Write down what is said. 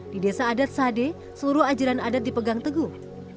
di desa adat sade seluruh ajaran adat dipegang teguh